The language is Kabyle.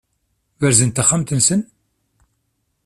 Berzen-d taxxamt-nsen?